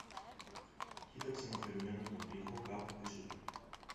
κοίταξαν αφηρημένα τον τοίχο κάπου πίσω του